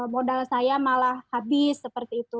modal saya malah habis seperti itu